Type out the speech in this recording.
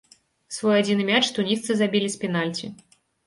Свой адзіны мяч тунісцы забілі з пенальці.